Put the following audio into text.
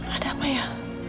ada apa ya